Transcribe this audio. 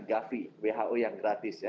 gavi who yang gratis